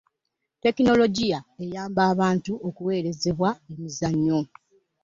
tekinologiya ayamba abantu okuweererezebwa eby'emizannyo.